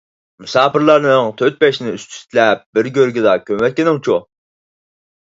مۇساپىرلارنىڭ تۆت - بەشىنى ئۈستى - ئۈستىلەپ بىر گۆرگىلا كۆمۈۋەتكىنىڭچۇ؟...